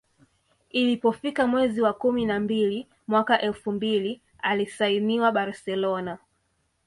Ilipofika mwezi wa kumi na mbili mwaka elfu mbili alisainiwa Barcelona